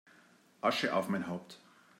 Asche auf mein Haupt!